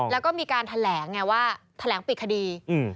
แล้วก็มีการแถลงไงว่าแถลงปิดคดี